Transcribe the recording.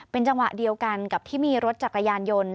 เป็นจังหวะเดียวกันกับที่มีรถจักรยานยนต์